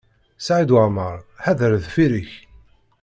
Saɛid Waɛmaṛ, ḥader deffir-k!